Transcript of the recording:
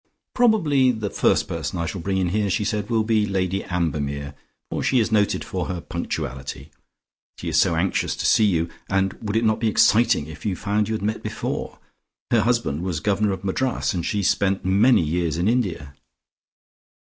"Probably the first person I shall bring in here," she said, "will be Lady Ambermere, for she is noted for her punctuality. She is so anxious to see you, and would it not be exciting if you found you had met before? Her husband was Governor of Madras, and she spent many years in India."